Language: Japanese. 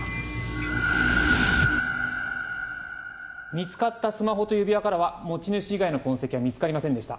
見つかったスマホと指輪からは持ち主以外の痕跡は見つかりませんでした。